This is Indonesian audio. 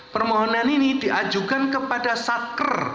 permohonan ini diajukan kepada satker